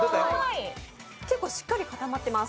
結構しっかりかたまってます。